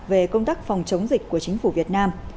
về công tác phòng chống dịch của chính phủ việt nam